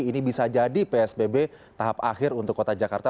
ini bisa jadi psbb tahap akhir untuk kota jakarta